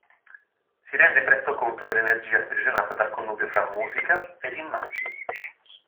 Si rende presto conto dell'energia sprigionata dal connubio fra musica ed immagini.